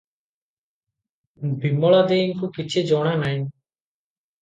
ବିମଳା ଦେଈଙ୍କୁ କିଛି ଜଣା ନାହିଁ ।